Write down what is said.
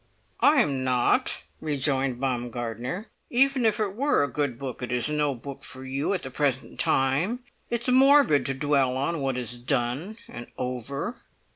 "I am not," rejoined Baumgartner. "Even if it were a good book, it is no book for you at the present time. It is morbid to dwell on what is done and over."